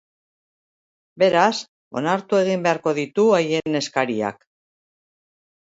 Beraz, onartu egin beharko ditu haien eskariak.